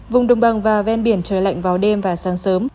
vùng đồng bằng và ven biển trời lạnh vào đêm và sáng sớm